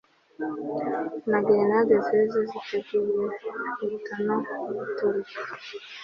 Na grenade zeze ziteguye guta no guturika